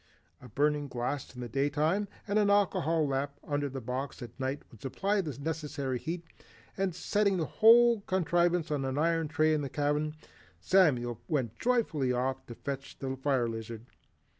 A burning glass in the day time and an alcohol lamp under the box at night would supply the necessary heat, and setting the whole contrivance on an iron tray in the cabin, Samuel went joyfully off to fetch the fire lizard.